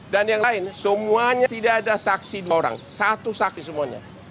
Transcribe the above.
dan yang lain semuanya tidak ada saksi dua orang satu saksi semuanya